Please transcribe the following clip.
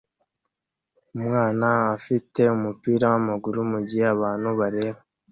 Umwana afite umupira wamaguru mugihe abantu bareba